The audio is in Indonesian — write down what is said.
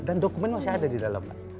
dan dokumen masih ada di dalam pak